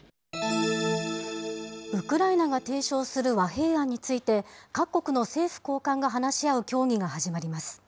ウクライナが提唱する和平案について、各国の政府高官が話し合う協議が始まります。